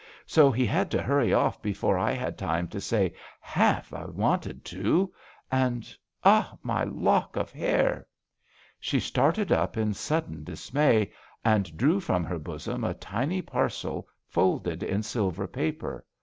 So he had to hurry off before I had time to say half I wanted to, and Ah! my lock of hair !" She started up in sudden dis may and drew from her bosom a tiny parcel folded in silver paper.